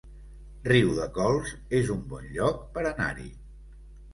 Riudecols es un bon lloc per anar-hi